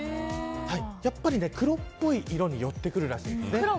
やっぱり黒っぽい色に寄ってくるらしいんですね。